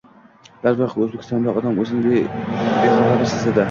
Darvoqe, Oʻzbekistonda odam oʻzini bexavotir sezadi.